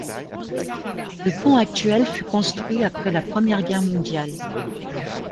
Le pont actuel fut construit après la Première Guerre mondiale.